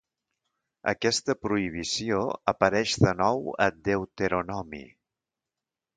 Aquesta prohibició apareix de nou a Deuteronomi.